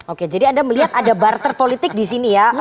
oke jadi anda melihat ada barter politik di sini ya